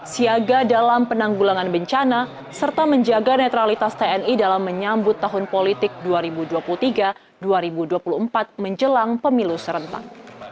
siaga dalam penanggulangan bencana serta menjaga netralitas tni dalam menyambut tahun politik dua ribu dua puluh tiga dua ribu dua puluh empat menjelang pemilu serentak